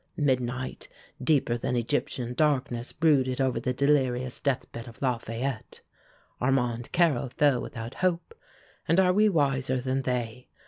Midnight, deeper than Egyptian darkness, brooded over the delirious deathbed of Lafayette. Armand Carrel fell without hope; and are we wiser than they?